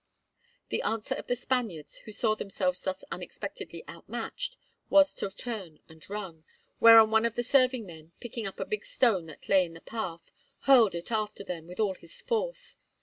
The answer of the Spaniards, who saw themselves thus unexpectedly out matched, was to turn and run, whereon one of the serving men, picking up a big stone that lay in the path, hurled it after them with all his force.